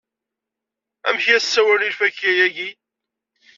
Amek i as-sawalen i lfakya-agi?